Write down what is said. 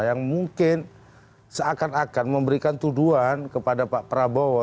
yang mungkin seakan akan memberikan tuduhan kepada pak prabowo